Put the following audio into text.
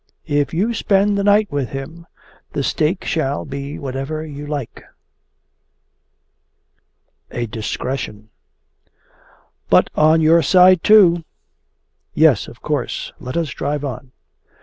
If you spend the night with him, the stake shall be whatever you like.' 'A DISCRETION!' 'But on your side too!' 'Yes, of course. Let us drive on.